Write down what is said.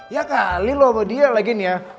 ya kali loh sama dia lagi nih ya